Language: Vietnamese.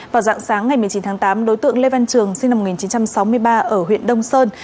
vào dạng sáng ngày một mươi chín tháng tám đối tượng lê văn trường sinh năm một nghìn chín trăm sáu mươi ba ở huyện đông sơn